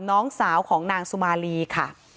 น้องสาวของนางสุมาลีค่ะ